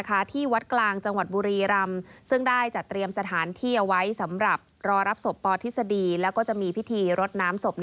ครับตอนนี้ที่วัดการเตรียมสถานที่เป็นอย่างไรแล้วบ้างคะ